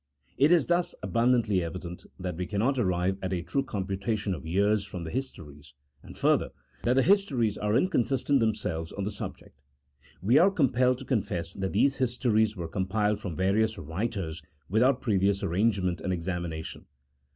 It is thus abundantly evident that we cannot arrive at a true computation of years from the histories, and, further, that the histories are inconsistent themselves on the sub ject. We are compelled to confess that these histories were compiled from various writers without previous arrange ment and examination.